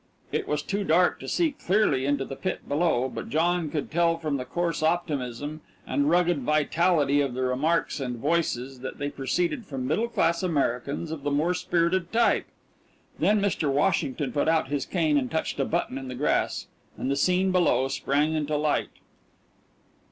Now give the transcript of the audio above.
It was too dark to see clearly into the pit below, but John could tell from the coarse optimism and rugged vitality of the remarks and voices that they proceeded from middle class Americans of the more spirited type. Then Mr. Washington put out his cane and touched a button in the grass, and the scene below sprang into light.